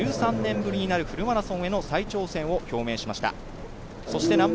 １３年ぶりになるフルマラソンへの再挑戦を表明しました。